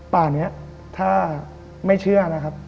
ป่านี้ถ้าไม่เชื่อนะครับ